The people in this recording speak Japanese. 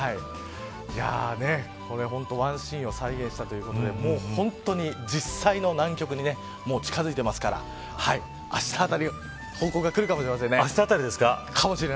ワンシーンを再現したということで実際の南極に近づいていますからあしたあたり報告が来るかもしませんね。